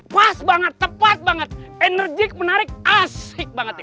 pas banget tepat banget enerjik menarik asik banget ya